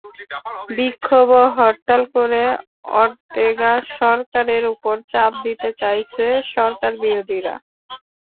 বিক্ষোভ ও হরতাল করে ওর্তেগা সরকারের ওপর চাপ দিতে চাইছে সরকারবিরোধীরা।